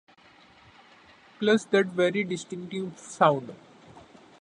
Plus that very distinctive sound.